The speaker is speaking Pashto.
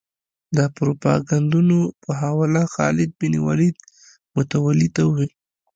د پروپاګندونو په حواله خالد بن ولید متولي ته ویلي.